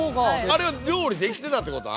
あれは料理できてたってこと？